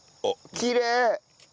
きれい！